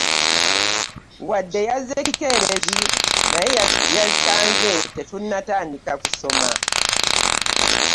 Wadde yazze kikeerezi naye yasanze tetunnatandika kusoma.